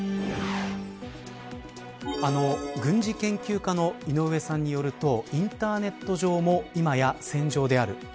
軍事研究家の井上さんによるとインターネット上も今や戦場である。